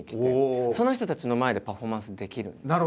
その人たちの前でパフォーマンスできるんですね。